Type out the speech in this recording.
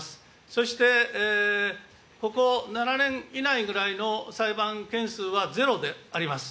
そしてここ７年以内ぐらいの裁判件数はゼロであります。